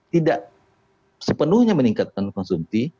tidak sepenuhnya meningkatkan konsumsi